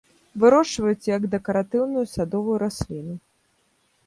Вырошчваюць як дэкаратыўную садовую расліну.